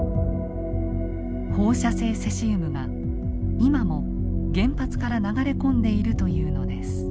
放射性セシウムが今も原発から流れ込んでいるというのです。